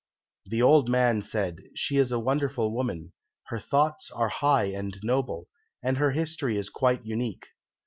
"The old man said, 'She is a wonderful woman. Her thoughts are high and noble, and her history is quite unique.